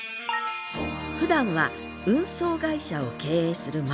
ふだんは運送会社を経営する前田さん。